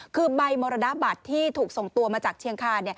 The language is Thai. คือใบมรณบัตรที่ถูกส่งตัวมาจากเชียงคา